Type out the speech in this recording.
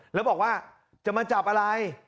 แล้วบอกว่าจะมาจับอะไร